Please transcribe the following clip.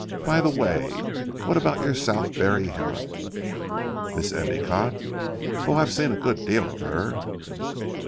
By the way, what about your Southberry Helen?" "Miss Endicotte? Oh, I have seen a good deal of her."